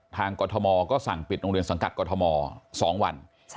กรทมก็สั่งปิดโรงเรียนสังกัดกรทม๒วัน